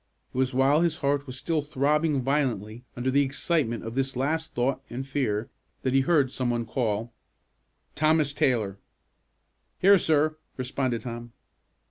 It was while his heart was still throbbing violently under the excitement of this last thought and fear, that he heard some one call, "Thomas Taylor!" "Here, sir," responded Tom.